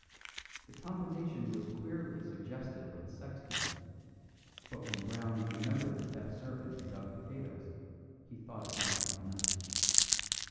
The combination was queerly suggestive of a sexton; but when Brown remembered the deaf servant who dug potatoes, he thought it natural enough.